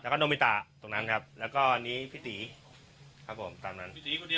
แล้วก็โนมิตะตรงนั้นครับแล้วก็อันนี้พี่ตีครับผมตามนั้น